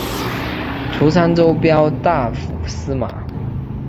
除沧州骠大府司马。